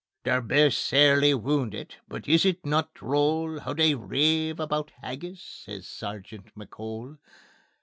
"They're baith sairly woundit, but is it no droll Hoo they rave aboot haggis?" says Sergeant McCole.